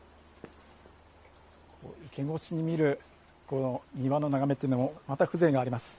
池越しに見る庭の眺めというのもまた風情があります。